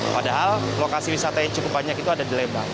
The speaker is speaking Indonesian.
padahal lokasi wisata yang cukup banyak itu ada di lembang